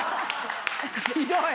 ひどい！